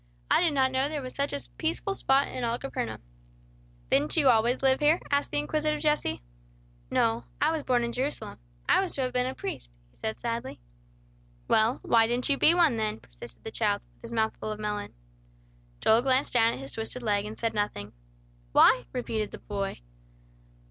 I did not know there was such a peaceful spot in all Capernaum." "Didn't you always live here?" asked the inquisitive Jesse. "No, I was born in Jerusalem. I was to have been a priest," he said sadly. "Well, why didn't you be one then," persisted the child, with his mouth full of melon. Joel glanced down at his twisted leg, and said nothing. "Why?" repeated the boy.